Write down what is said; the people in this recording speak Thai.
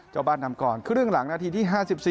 เจ้าบ้านนำก่อนครึ่งหลังนาทีที่๕๔